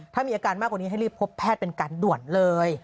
ถ้ามีอาการมากกว่านี้ให้รีบพบแพทย์เป็นการด่วนเลย